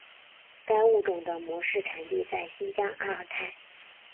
该物种的模式产地在新疆阿尔泰。